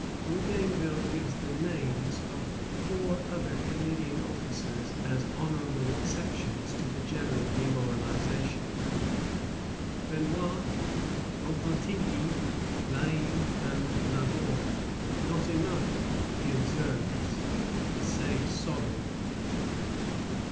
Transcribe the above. Bougainville gives the names of four other Canadian officers as honorable exceptions to the general demoralization, Benoît, Repentigny, Lainé, and Le Borgne; "not enough," he observes, "to save Sodom."